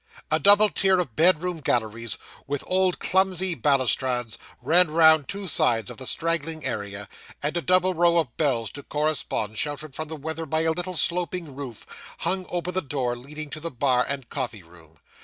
A double tier of bedroom galleries, with old clumsy balustrades, ran round two sides of the straggling area, and a double row of bells to correspond, sheltered from the weather by a little sloping roof, hung over the door leading to the bar and coffee room.